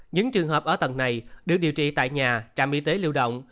những trường hợp ở tầng này được điều trị tại nhà trạm y tế lưu động